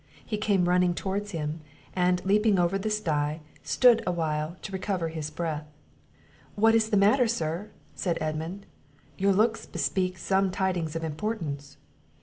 He came running towards him; and, leaping over the style, stood still a while to recover his breath. "What is the matter, sir?" said Edmund; "your looks bespeak some tidings of importance."